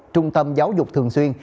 trung tâm giáo dục thường xuyên